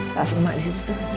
tas emak disitu tuh